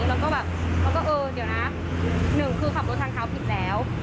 แล้วก็แบบเดี๋ยวนะ๑คือขับรถทางเท้าผิดแล้ว